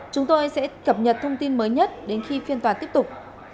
chúng tôi sẽ cập nhật thông tin mới nhất đến khi phiên tòa tiếp tục